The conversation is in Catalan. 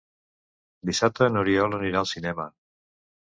Dissabte n'Oriol anirà al cinema.